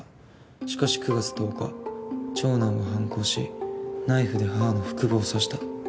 しかし９月１０日長男は反抗しナイフで母の腹部を刺した。